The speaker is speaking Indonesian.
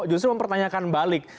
justru mempertanyakan balik